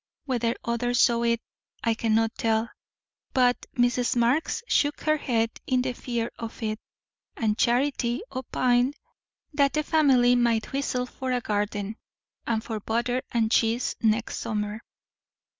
Whether others saw it I cannot tell; but Mrs. Marx shook her head in the fear of it, and Charity opined that the family "might whistle for a garden, and for butter and cheese next summer."